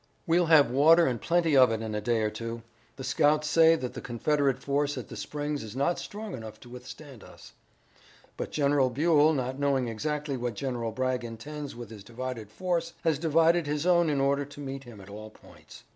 "We'll have water and plenty of it in a day or two. The scouts say that the Confederate force at the springs is not strong enough to withstand us." "But General Buell, not knowing exactly what General Bragg intends with his divided force, has divided his own in order to meet him at all points."